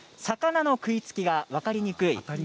魚の食いつきが分かりにくい。